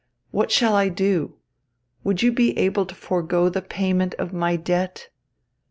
What shall I do? Would you be able to forego the payment of my debt?